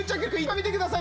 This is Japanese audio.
見てください！